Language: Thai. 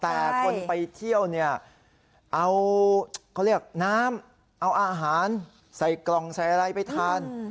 แต่คนไปเที่ยวเนี่ยเอาเขาเรียกน้ำเอาอาหารใส่กล่องใส่อะไรไปทาน